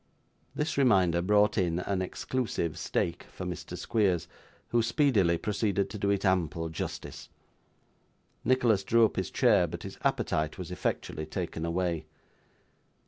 This reminder brought in an exclusive steak for Mr. Squeers, who speedily proceeded to do it ample justice. Nicholas drew up his chair, but his appetite was effectually taken away.